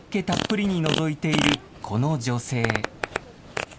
たっぷりにのぞいているこの女性。